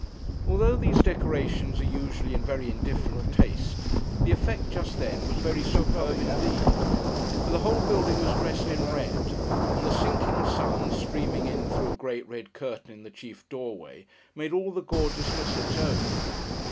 Although these decorations are usually in very indifferent taste, the effect, just then, was very superb indeed. For the whole building was dressed in red; and the sinking sun, streaming in, through a great red curtain in the chief doorway, made all the gorgeousness its own.